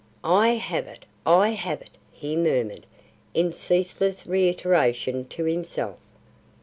"I have it. I have it," he murmured in ceaseless reiteration to himself.